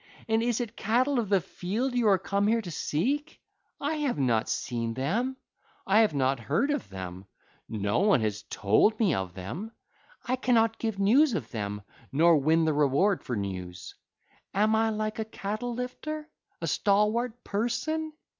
And is it cattle of the field you are come here to seek? I have not seen them: I have not heard of them: no one has told me of them. I cannot give news of them, nor win the reward for news. Am I like a cattle lifter, a stalwart person?